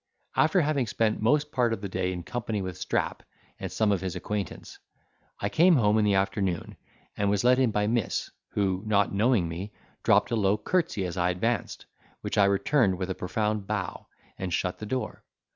After having spent most part of the day in company with Strap and some of his acquaintance, I came home in the afternoon, and was let in by miss, who not knowing me, dropped a low curtsey as I advanced, which I returned with a profound bow, and shut the door.